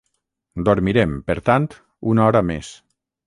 Dormirem, per tant, una hora més.